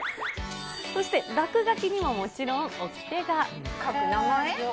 そして、落書きにももちろん書く名前。